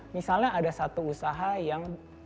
misalnya ada satu usaha yang